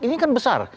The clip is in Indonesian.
ini kan besar